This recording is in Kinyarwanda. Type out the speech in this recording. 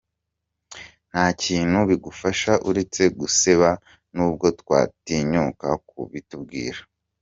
Nta kintu bigufasha uretse guseba nubwo ntawutinyuka kubikubwira.